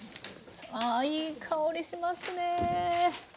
ああいい香りしますね！